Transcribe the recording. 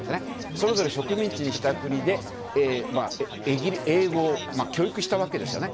それぞれ植民地にした国で英語を教育したわけですよね。